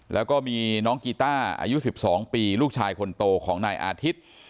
แล้วก็มีน้องกีต้าอายุ๑๒ปีลูกชายคนโตของนายอาทิตย์